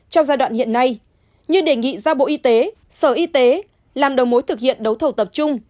trong giai đoạn hiện nay như đề nghị ra bộ y tế sở y tế làm đầu mối thực hiện đấu thầu tập trung